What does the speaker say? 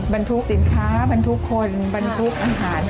บรรทุกสินค้าบรรทุกคนบรรทุกอาหาร